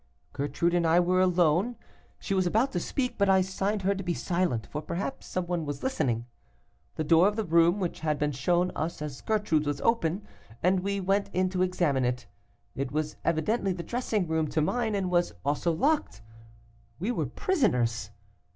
"Gertrude and I were alone. She was about to speak, but I signed her to be silent, for perhaps some one was listening. The door of the room which had been shown us as Gertrude's was open, and we went in to examine it. It was evidently the dressing room to mine, and was also locked. We were prisoners.